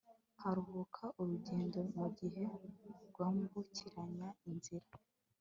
nkaruhuka urugendo mugihe rwambukiranya inzira